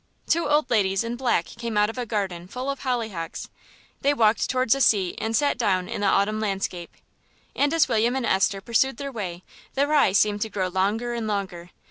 Two old ladies in black came out of a garden full of hollyhocks; they walked towards a seat and sat down in the autumn landscape. And as William and Esther pursued their way the Rye seemed to grow longer and longer.